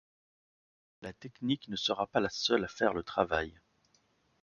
La technique ne sera pas la seule à faire le travail.